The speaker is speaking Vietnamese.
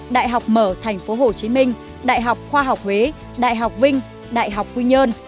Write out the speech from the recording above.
đại học mở tp hcm đại học khoa học huế đại học vinh đại học quy nhơn